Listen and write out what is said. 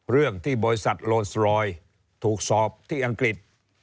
เรื่องที่บริษัทโลนสรอยถูกสอบที่อังกฤษ